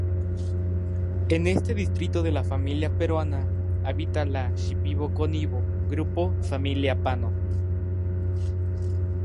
En este distrito de la Amazonia peruana habita la shipibo-conibo grupo familia-pano.